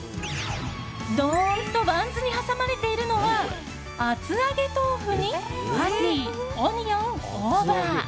どーんとバンズに挟まれているのは厚揚げ豆腐にパティオニオン、大葉。